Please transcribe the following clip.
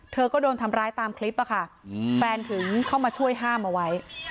เธอก็โดนทำร้ายตามคลิปอะค่ะแฟนถึงเข้ามาช่วยห้ามเอาไว้